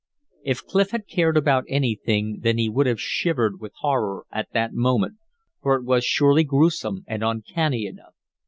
If Clif had cared about anything then he would have shivered with horror at that moment, for it was surely gruesome and uncanny enough.